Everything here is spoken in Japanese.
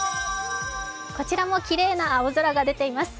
こちらもきれいな青空が出ています。